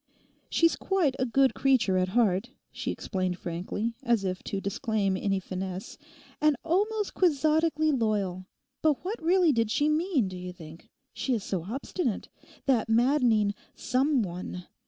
'She's quite a good creature at heart,' she explained frankly, as if to disclaim any finesse, 'and almost quixotically loyal. But what really did she mean, do you think? She is so obstinate. That maddening "some one"!